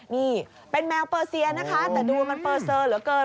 นี่เป็นแมวเปอร์เซียนะคะแต่ดูมันเปอร์เซอร์เหลือเกิน